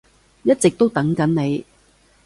一直都等緊你